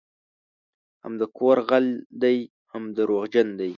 هم د کور غل دی هم دروغجن دی